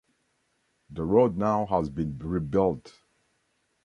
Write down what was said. The road now has been rebuilt.